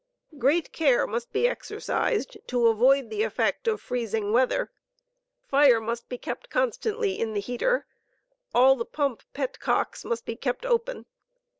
Great care must be exercised to avoid the effect of freezing weather. Fire «*«ing. must be constantly kept in the heater; all the pump "pet cocks" must be kept open.